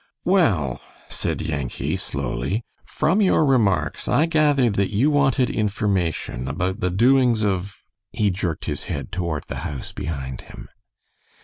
"Well," said Yankee, slowly, "from your remarks I gathered that you wanted information about the doings of " he jerked his head toward the house behind him.